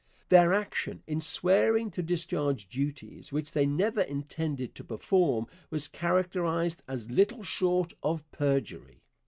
Their action in swearing to discharge duties which they never intended to perform was characterized as little short of perjury.